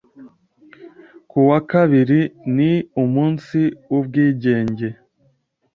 Ku wa kabiri ni umunsi wubwigenge.